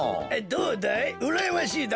どうだい？